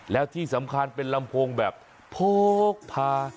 แล้วที่สำคัญเป็นลำโพงแบบโพกพา